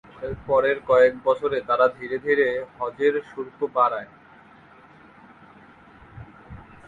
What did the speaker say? পরের কয়েক বছরে তারা ধীরে ধীরে হজের শুল্ক বাড়ায়।